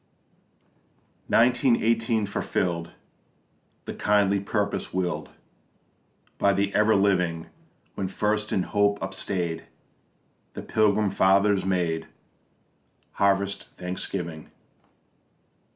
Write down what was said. Nineteen eighteen fulfill'd The kindly purpose will'd By the Ever living, When first in hope upstay'd The Pilgrim Fathers made Harvest thanksgiving.